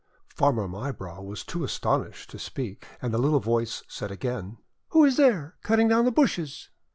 Farmer Mybrow was too astonished to speak, and the little voice said again : 'Who is there, cutting down the bushes?'